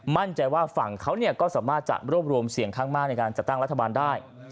มั่นใจว่าฝั่งเขาก็สามารถจะรวบรวมเสียงข้างมากในการจัดตั้งรัฐบาลได้